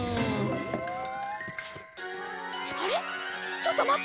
ちょっとまって！